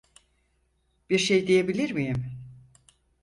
Bir şey diyebilir miyim?